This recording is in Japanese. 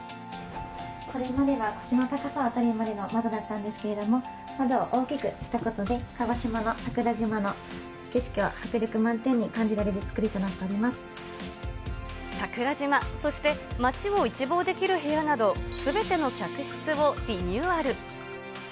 これまでは腰の高さまでの窓だったんですけれども、窓を大きくしたことで鹿児島の桜島の景色を迫力満点に感じられる桜島、そして街を一望できる部屋など、すべての客室をリニューアル。